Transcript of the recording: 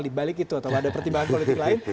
di balik itu atau ada pertimbangan politik lain